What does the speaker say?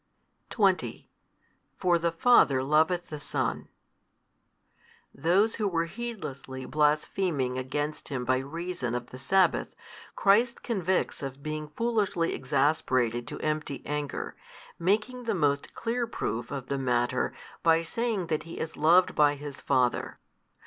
20 For the Father loveth the Son Those who were heedlessly blaspheming against Him by reason of the sabbath, Christ convicts of being foolishly exasperated to empty anger, making most clear proof of the matter by saying that He is loved by His Father.